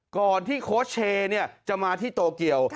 ก่อนที่โจกย์เนี่ยจะมาที่โตเกียว